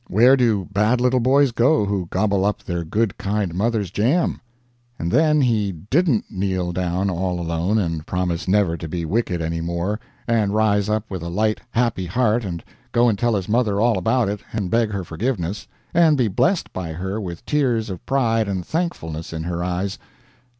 Where do bad little boys go who gobble up their good kind mother's jam?" and then he didn't kneel down all alone and promise never to be wicked any more, and rise up with a light, happy heart, and go and tell his mother all about it, and beg her forgiveness, and be blessed by her with tears of pride and thankfulness in her eyes.